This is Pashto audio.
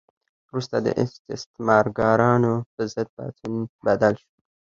وروسته د استثمارګرانو په ضد پاڅون بدل شو.